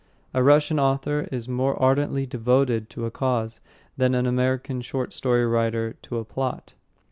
A Russian author is more ardently devoted to a cause than an American short story writer to a plot.